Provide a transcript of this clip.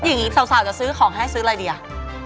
อย่างนี้สาวจะซื้อของให้ซื้ออะไรดีอ่ะ